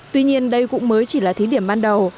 tuy nhiên đây cũng mới chỉ là thí điểm ban đầu